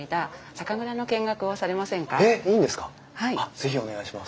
是非お願いします。